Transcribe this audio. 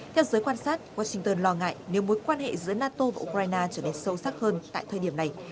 theo giới quan sát washington lo ngại nếu mối quan hệ giữa nato và ukraine trở nên sâu sắc hơn tại thời điểm này